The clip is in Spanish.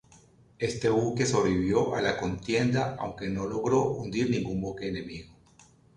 Este buque, sobrevivió a la contienda, aunque no logró hundir ningún buque enemigo.